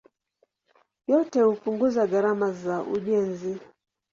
Yote hupunguza gharama za ujenzi.